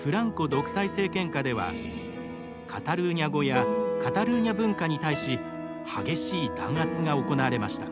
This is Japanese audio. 独裁政権下ではカタルーニャ語やカタルーニャ文化に対し激しい弾圧が行われました。